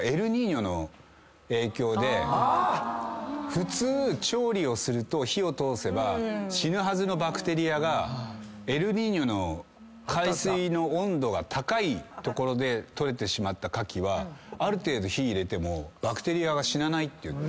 普通調理をすると火を通せば死ぬはずのバクテリアがエルニーニョの海水の温度が高い所で採れてしまった牡蠣はある程度火入れてもバクテリアが死なないっていって。